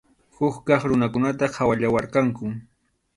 Huk kaq runakunataq qhawallawarqanku.